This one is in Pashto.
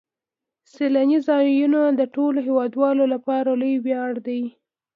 سیلاني ځایونه د ټولو هیوادوالو لپاره لوی ویاړ دی.